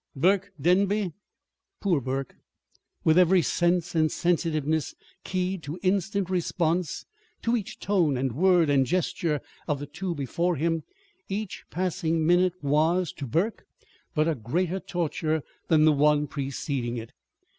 Burke Denby poor Burke! With every sense and sensitiveness keyed to instant response to each tone and word and gesture of the two before him, each passing minute was, to Burke, but a greater torture than the one preceding it.